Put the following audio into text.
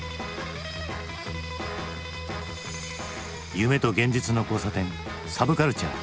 夢と現実の交差点サブカルチャー。